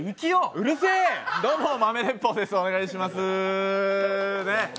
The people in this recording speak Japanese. うるせえ、どうも豆鉄砲ですお願いします！